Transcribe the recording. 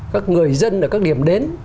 các người dân ở các điểm đến